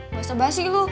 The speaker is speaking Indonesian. gak usah bahasin dulu